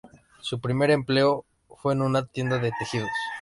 Su primer empleo fue en una tienda de tejidos.